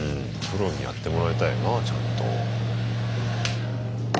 プロにやってもらいたいよなちゃんと。